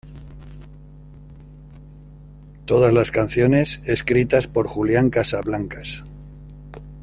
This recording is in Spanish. Todas las canciones escritas por Julian Casablancas.